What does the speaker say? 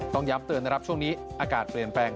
ต้องย้ำเตือนนะครับช่วงนี้อากาศเปลี่ยนแปลง